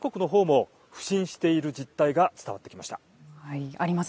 産油国のほうも腐心している実態が伝わってきました。